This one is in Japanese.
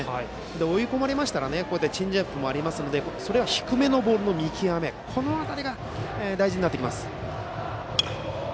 追い込まれましたらチェンジアップもありますのでそれは低めのボールの見極めという辺りが大事になります。